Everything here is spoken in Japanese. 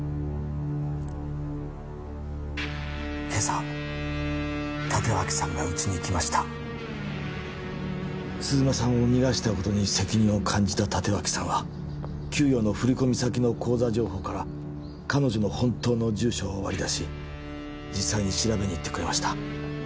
今朝立脇さんがうちに来ました鈴間さんを逃がしたことに責任を感じた立脇さんは給与の振り込み先の口座情報から彼女の本当の住所を割り出し実際に調べに行ってくれました